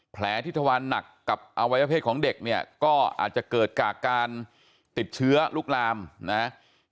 แผลที่ทวารหนักกับอวัยวะเพศของเด็กเนี่ยก็อาจจะเกิดจากการติดเชื้อลุกลามนะครับ